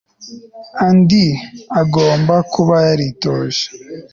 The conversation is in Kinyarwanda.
andy agomba kuba yaritoje